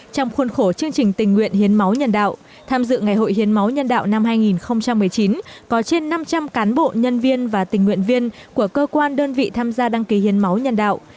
trong khuôn khổ chương trình tình nguyện hiến máu nhân đạo tham dự ngày hội hiến máu nhân đạo năm hai nghìn một mươi chín có trên năm trăm linh cán bộ nhân viên và tình nguyện viên của cơ quan đơn vị tham gia đăng ký hiến máu nhân đạo